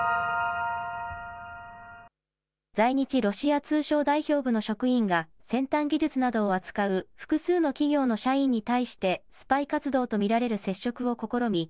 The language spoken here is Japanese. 在日ロシア通商代表部の職員が先端技術などを扱う複数の企業の社員に対してスパイ活動と見られる接触を試み